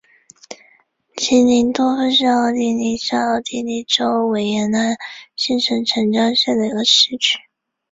齐灵多夫是奥地利下奥地利州维也纳新城城郊县的一个市镇。